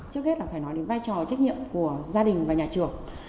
trước hết là phải nói đến vai trò trách nhiệm của gia đình và nhà trường